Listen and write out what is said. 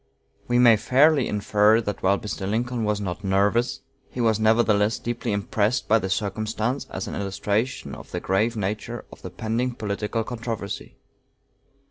We may fairly infer that while Mr. Lincoln was not "nervous," he was nevertheless deeply impressed by the circumstance as an illustration of the grave nature of the pending political controversy.